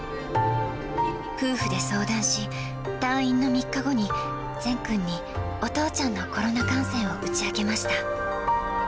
夫婦で相談し、退院の３日後に、善君にお父ちゃんのコロナ感染を打ち明けました。